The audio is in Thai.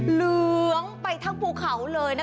เหลืองไปทั้งภูเขาเลยนะคะ